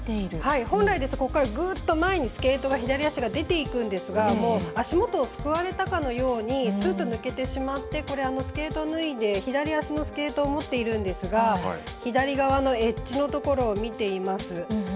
本来ですとここからぐっと前にスケートが左足が出ていくんですがもう足元をすくわれたかのようにすうっと抜けてしまってこれスケート脱いで左足のスケートを持っているんですが左側のエッジのところを見ています。